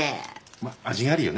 まっ味があるよね。